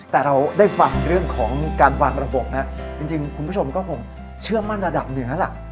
แต่เราได้ฟังเรื่องของการวางระบบนะจริงคุณผู้ชมก็คงเชื่อมั่นระดับเหนือล่ะ